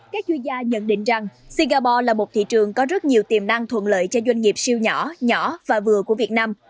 các chuyên gia nhận định rằng singapore là một thị trường có rất nhiều tiềm năng thuận lợi cho doanh nghiệp siêu nhỏ nhỏ và vừa của việt nam